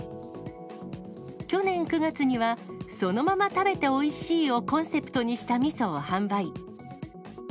去年９月には、そのまま食べておいしいをコンセプトにしたみそを販売。